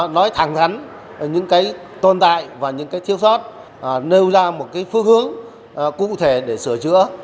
nói thẳng thắn những cái tồn tại và những cái thiếu sót nêu ra một cái phương hướng cụ thể để sửa chữa